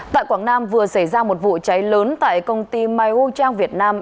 tại quảng nam vừa xảy ra một vụ cháy lớn tại công ty mai hô trang việt nam